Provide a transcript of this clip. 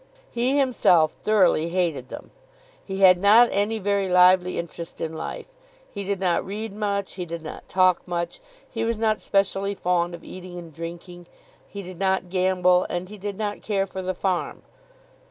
He himself thoroughly hated them. He had not any very lively interest in life. He did not read much; he did not talk much; he was not specially fond of eating and drinking; he did not gamble, and he did not care for the farm.